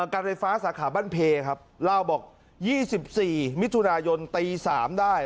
การไฟฟ้าสาขาบ้านเพครับเล่าบอกยี่สิบสี่มิถุนายนตีสามได้